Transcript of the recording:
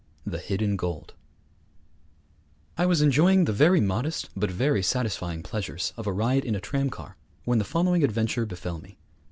III THE HIDDEN GOLD I was enjoying the very modest but very satisfying pleasures of a ride in a tramcar when the following adventure befell me.